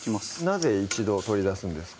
なぜ一度取り出すんですか？